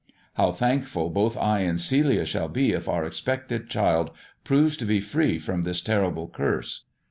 How thankful both I and Celia shall be if our expected child proves to be free from this terrible curse